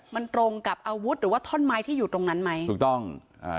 มันตรงกับอาวุธหรือว่าท่อนไม้ที่อยู่ตรงนั้นไหมถูกต้องอ่า